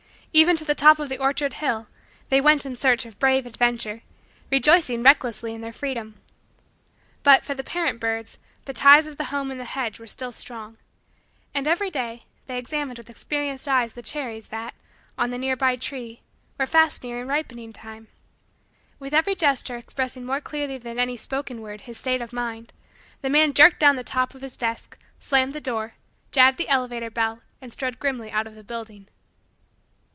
Even to the top of the orchard hill, they went in search of brave adventure, rejoicing recklessly in their freedom. But, for the parent birds, the ties of the home in the hedge were still strong. And, every day, they examined with experienced eyes the cherries, that, on the near by tree, were fast nearing ripening time. With every gesture expressing more clearly than any spoken word his state of mind, the man jerked down the top of his desk, slammed the door, jabbed the elevator bell, and strode grimly out of the building.